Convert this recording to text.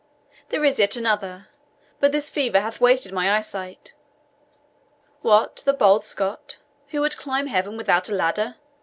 There is yet another but this fever hath wasted my eyesight. What, the bold Scot, who would climb heaven without a ladder!